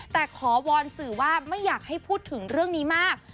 แต่ขอวอนสื่อว่าไม่อยากให้พูดถึงเรื่องนี้มาก